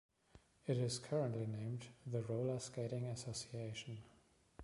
It is currently named the Roller Skating Association.